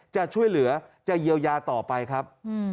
จะช่วยเหลือจะเยียวยาต่อไปครับ